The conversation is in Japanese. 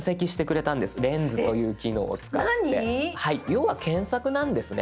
要は検索なんですね。